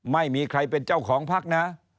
ไม่มีใครเป็นเจ้าของพักนะ